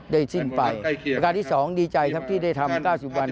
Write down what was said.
ได้สิ้นไปประกาศที่๒ดีใจที่ได้ทำ๙๐วัน